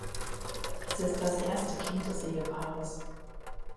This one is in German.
Es ist das erste Kind des Ehepaares.